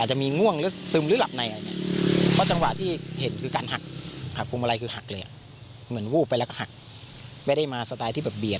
จะมีง่วงและซึมละละมาย